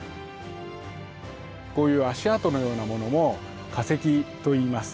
こういう足跡のようなものも化石といいます。